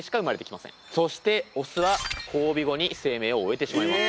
そしてオスは交尾後に生命を終えてしまいます。